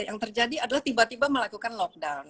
yang terjadi adalah tiba tiba melakukan lockdown